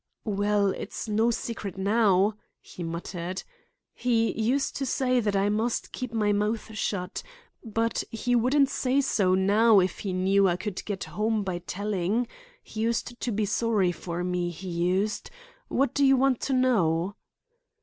"Well, it's no secret now," he muttered. "He used to say I must keep my mouth shut; but he wouldn't say so now if he knew I could get home by telling. He used to be sorry for me, he used. What do you want to know?"